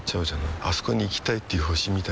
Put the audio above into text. あそこに行きたいっていう星みたいなもんでさ